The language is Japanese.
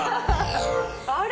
あれ？